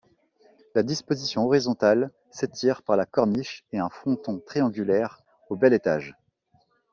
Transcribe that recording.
La disposition horizontale s'étire par la corniche et un fronton triangulaire au Belle Etage.